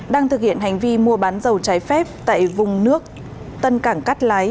đang thực hiện hành vi mua bán dầu trái phép tại vùng nước tân cảng cát lái